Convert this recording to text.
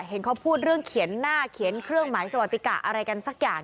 เห็นเขาพูดเรื่องเขียนหน้าเขียนเครื่องหมายสวัสดิกะอะไรกันสักอย่าง